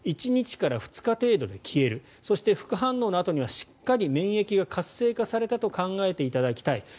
１日から２日程度で消えるそして副反応のあとにはしっかり免疫が活性化されたと考えていただきたい。